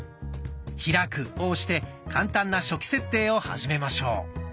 「開く」を押して簡単な初期設定を始めましょう。